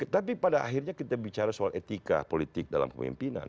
tapi pada akhirnya kita bicara soal etika politik dalam pemimpinan